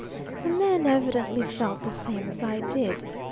The men evidently felt the same as I did.